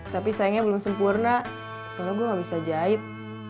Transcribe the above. tapi sayangnya belum sempurna soalnya gue gak bisa jahit